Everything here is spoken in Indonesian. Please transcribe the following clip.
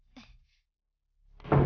th longue perangai terus ke altru